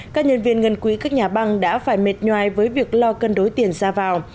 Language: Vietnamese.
các nhân viên ngân quý các nhà băng đã phải mệt nhòai với việc lo cân đối tiền ra vào